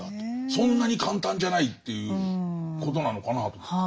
そんなに簡単じゃないということなのかなと思って。